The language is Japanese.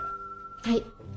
はい。